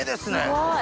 すごい！